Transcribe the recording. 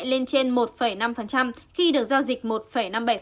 lên trên một năm khi được giao dịch một năm mươi bảy